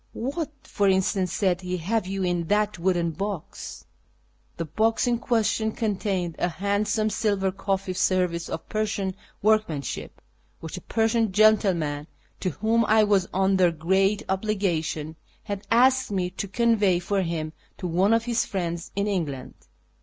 " What, for instance," said he, " have you in that wooden box?" The box in question contained a handsome silver coffee service of Persian workmanship, which a Persian gentleman, to whom I was under great obligations, had asked me to convey for him to one of his friends in England.